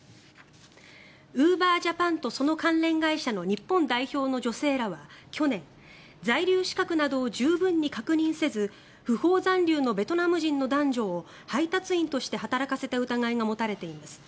ウーバージャパンとその関連会社の日本代表の女性らは去年在留資格などを十分に確認せず不法残留のベトナム人の男女を配達員として働かせた疑いが持たれています。